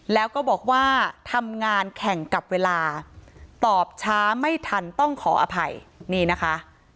แล้วก็บอกว่าทำงานแข่งกับเวลาตอบช้าไม่ทันต้องขออภัยนี่นะคะ